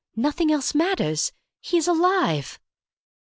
"Nothing else matters—he is alive!"